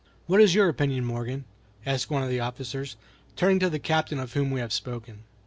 "What is your opinion, Morgan?" asked one of the officers, turning to the captain of whom we have spoken.